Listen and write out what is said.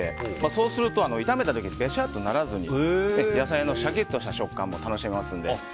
そうすると炒めた時にべしゃっとならずに野菜のシャキッとした食感も楽しめますので。